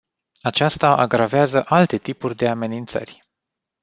Aceasta agravează alte tipuri de amenințări.